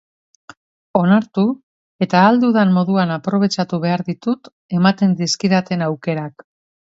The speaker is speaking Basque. Onartu eta ahal dudan moduan aprobetxatu behar ditut ematen dizkidaten aukerak.